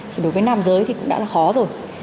thì đối với nam giới thì cũng đã là khó rồi